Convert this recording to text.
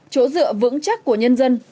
chỗ dựa vững chắc của nhân dân